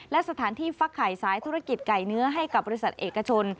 และสถานที่ฟักไข่สายธุรกิจไก่เนื้อให้กับบริษัทเอกชน